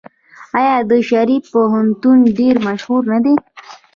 آیا د شریف پوهنتون ډیر مشهور نه دی؟